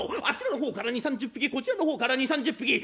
あちらの方から２０３０匹こちらの方から２０３０匹。